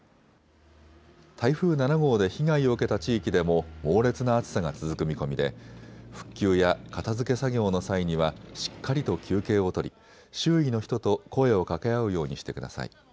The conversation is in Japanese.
台風７号で被害を受けた地域でも猛烈な暑さが続く見込みで復旧や片づけ作業の際にはしっかりと休憩を取り周囲の人と声をかけ合うようにしてください。